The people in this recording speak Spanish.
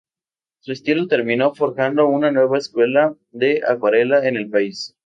Su estilo terminó forjando una nueva escuela de acuarela en el país.